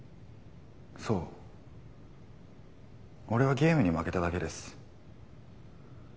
そうオレはゲームに負けただけです。